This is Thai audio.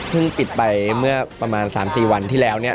ปิดไปเมื่อประมาณ๓๔วันที่แล้วเนี่ย